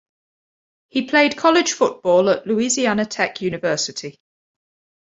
He played college football at Louisiana Tech University.